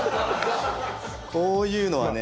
こういうのはね。